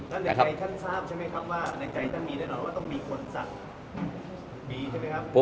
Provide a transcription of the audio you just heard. ในใจท่านทราบใช่ไหมครับว่าในใจท่านมีแน่นอนว่าต้องมีคนสั่งมีใช่ไหมครับ